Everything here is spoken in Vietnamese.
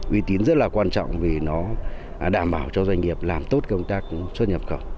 uy tín rất là quan trọng vì nó đảm bảo cho doanh nghiệp làm tốt công tác xuất nhập khẩu